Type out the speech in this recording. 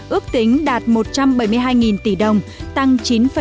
ước tính đạt một trăm bảy mươi hai tỷ đồng tăng chín bảy